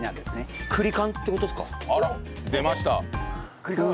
出ました！